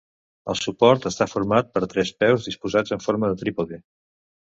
El suport està format per tres peus disposats en forma de trípode.